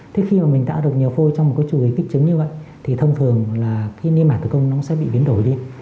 thế khi mà mình tạo được nhiều phôi trong một chư kích trứng như vậy thì thông thường là cái niên mạng thành công nó sẽ bị biến đổi đi